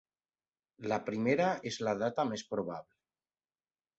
La primera és la data més probable.